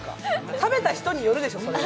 食べた人によるでしょ、それは。